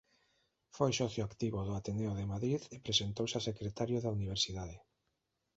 Foi socio activo do Ateneo de Madrid e presentouse a secretario da Universidade.